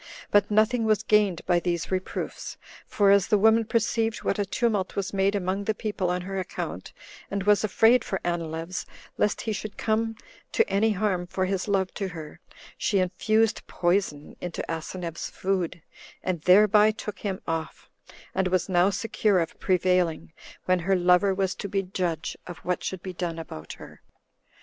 But nothing was gained by these reproofs; for as the woman perceived what a tumult was made among the people on her account, and was afraid for Anileus, lest he should come to any harm for his love to her, she infused poison into Asineus's food, and thereby took him off, and was now secure of prevailing, when her lover was to be judge of what should be done about her.